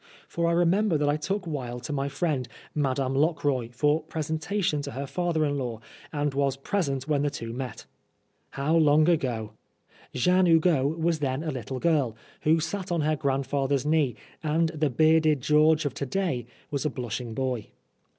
For I remember that I took Wilde to my friend, Madame Lockroy, for presentation to her father in law, and was present when the two met. How long ago! Jeanne Hugo was then a little girl, who sat on her grandfather's knee, and the bearded George of to day was a blushing boy.